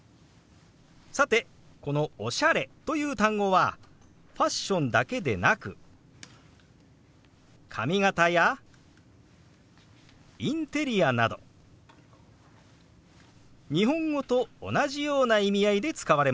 さてこの「おしゃれ」という単語はファッションだけでなく髪形やインテリアなど日本語と同じような意味合いで使われますよ。